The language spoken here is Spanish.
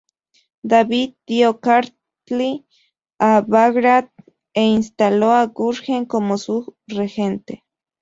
David dio Kartli a Bagrat e instaló a Gurgen como su regente.